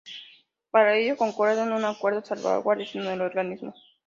Para ello concluyen un acuerdo de salvaguardias con el Organismo.